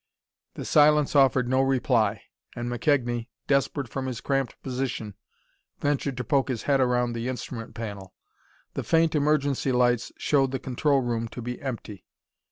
The silence offered no reply, and McKegnie, desperate from his cramped position, ventured to poke his head around the instrument panel. The faint emergency lights showed the control room to be empty.